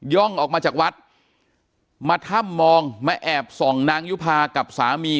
่องออกมาจากวัดมาถ้ำมองมาแอบส่องนางยุภากับสามี